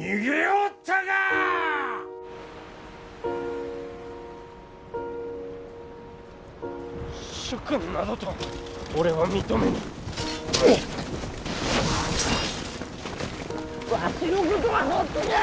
わしのことは放っとけ！